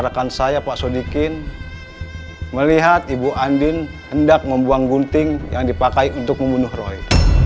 rekan saya pak sodikin melihat ibu andin hendak membuang gunting yang dipakai untuk membunuh roy